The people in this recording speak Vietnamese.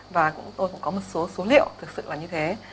và tôi cũng có một số số liệu thực sự là như thế